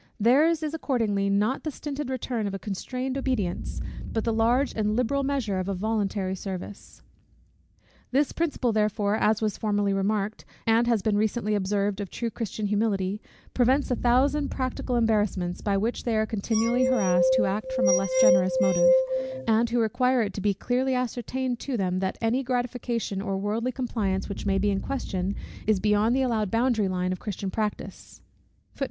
Their's is accordingly not the stinted return of a constrained obedience, but the large and liberal measure of a voluntary service. This principle, therefore, as was formerly remarked, and has been recently observed of true Christian humility, prevents a thousand practical embarrassments, by which they are continually harassed, who act from a less generous motive; and who require it to be clearly ascertained to them, that any gratification or worldly compliance, which may be in question, is beyond the allowed boundary line of Christian practice.